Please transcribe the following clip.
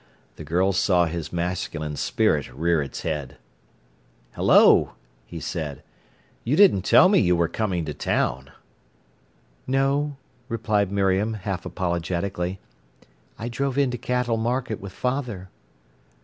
The girl saw his masculine spirit rear its head. "Hello!" he said, "you didn't tell me you were coming to town." "No," replied Miriam, half apologetically. "I drove in to Cattle Market with father."